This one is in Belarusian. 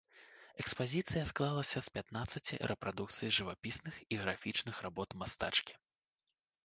Экспазіцыя склалася з пятнаццаці рэпрадукцый жывапісных і графічных работ мастачкі.